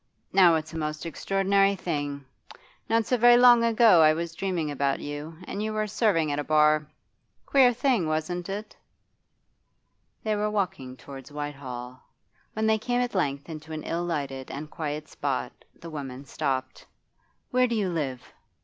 Now it's a most extraordinary thing. Not so very long ago I was dreaming about you, and you were serving at a bar queer thing, wasn't it?' They were walking towards Whitehall. When they came at length into an ill lighted and quiet spot, the woman stopped. 'Where do you live?